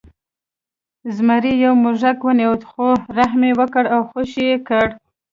زمري یو موږک ونیو خو رحم یې وکړ او خوشې یې کړ.